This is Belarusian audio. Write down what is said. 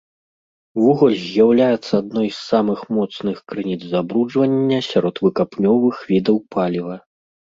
Вугаль з'яўляецца адной з самых моцных крыніц забруджвання сярод выкапнёвых відаў паліва.